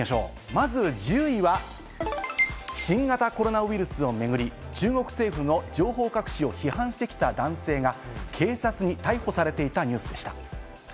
まず１０位が新型コロナウイルスをめぐり、中国政府の情報隠しを批判してきた男性が警察に逮捕されていたニュースでした。